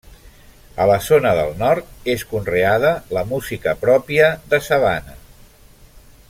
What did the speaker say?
A la zona del nord, és conreada la música pròpia de sabana.